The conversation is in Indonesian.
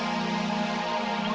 apa ambil dia